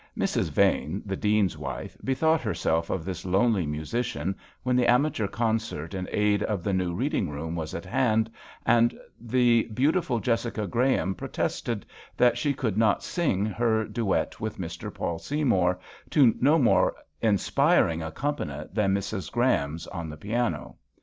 Mrs. Vane, the Dean's wife, bethought herself of this lonely musician when the amateur concert in aid of the new reading room was at hand, and the beau tiful Jessica Graham protested that she could not sing her duet with Mr. Paul Seymour to no more inspiring accompaniment than Mrs. Graham's on the piano.